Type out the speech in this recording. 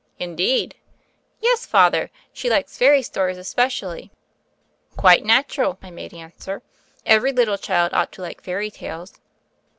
"Indeed I" "Yes, Father: she likes fairy stories espe cially." "Quite natural," I made answer. "Every little child ought to like fairy tales."